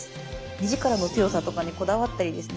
目力の強さとかにこだわったりですね